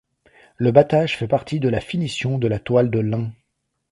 Le battage fait partie de la finition de la toile de lin.